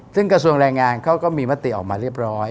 ซึ่งกระทรวงแรงงานเขาก็มีมติออกมาเรียบร้อย